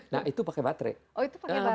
nah itu pakai baterai